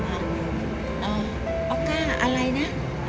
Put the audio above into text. อฮัลคาร์อะไรนะ